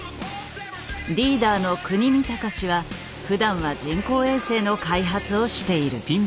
リーダーの國見喬嗣はふだんは人工衛星の開発をしている。